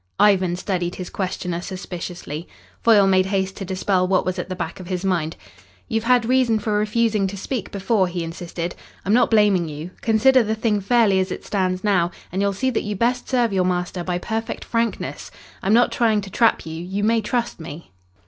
Ivan studied his questioner suspiciously. Foyle made haste to dispel what was at the back of his mind. "You had reason for refusing to speak before," he insisted. "I'm not blaming you. Consider the thing fairly as it stands now and you'll see that you best serve your master by perfect frankness. I'm not trying to trap you. You may trust me."